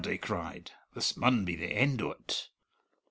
they cried, "this maun be the end o't."